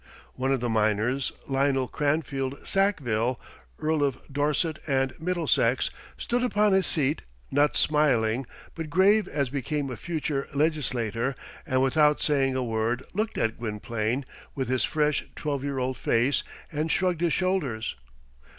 One of the minors, Lionel Cranfield Sackville, Earl of Dorset and Middlesex, stood upon his seat, not smiling, but grave as became a future legislator, and, without saying a word, looked at Gwynplaine with his fresh twelve year old face, and shrugged his shoulders.